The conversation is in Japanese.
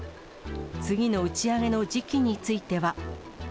次の打ち上げの時期については。